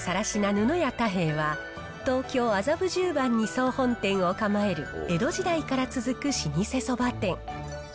布屋太兵衛は、東京・麻布十番に総本店を構える江戸時代から続く老舗そば店。